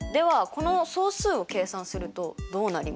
この総数を計算するとどうなりますか？